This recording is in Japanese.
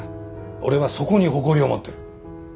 俺はそこに誇りを持ってる。